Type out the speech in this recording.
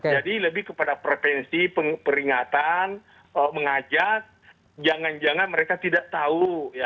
jadi lebih kepada pretensi peringatan mengajak jangan jangan mereka tidak tahu